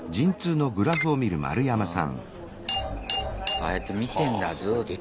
ああやって見てんだずっと。